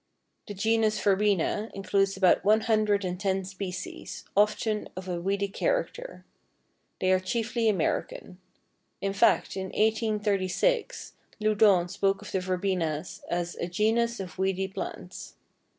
The genus Verbena includes about one hundred and ten species, often of a weedy character. They are chiefly American. In fact, in 1836, Loudon spoke of the Verbenas as "a genus of weedy plants."